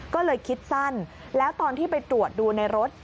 ก็เลยคิดสั้นแล้วตอนที่ไปตรวจดูในรถ